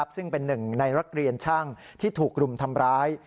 ซึ่งเป็นหนึ่งในนักเรียนช่างที่ถูกรุมทำร้าย